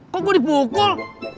kok gue dibukul